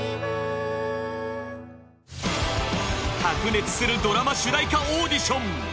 白熱するドラマ主題歌オーディション。